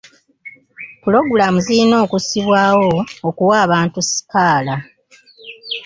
Pulogulamu zirina okussibwawo okuwa abantu sikaala.